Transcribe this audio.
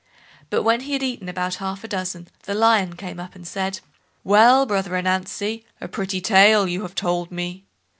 But when he had eaten about half a dozen, the Lion came up, and said: "Well, brother Ananzi, a pretty tale you have told me."